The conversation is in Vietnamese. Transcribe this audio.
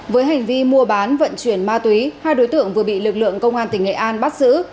với hành vi mua bán vận chuyển ma túy hai đối tượng vừa bị lực lượng công an tỉnh nghệ an bắt giữ